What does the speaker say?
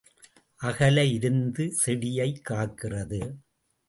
அகல இருந்து செடியைக் காக்கிறது.